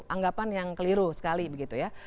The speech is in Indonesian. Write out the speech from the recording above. anggapan yang keliru sekali begitu ya